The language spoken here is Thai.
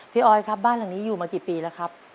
ออยครับบ้านหลังนี้อยู่มากี่ปีแล้วครับ